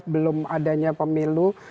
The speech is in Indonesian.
belum adanya pemilu